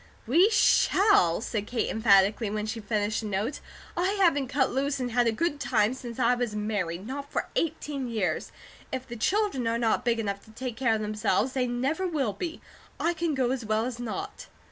"We shall!" said Kate emphatically, when she finished the note. "I haven't cut loose and had a good time since I was married; not for eighteen years. If the children are not big enough to take care of themselves, they never will be. I can go as well as not."